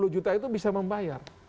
sepuluh juta itu bisa membayar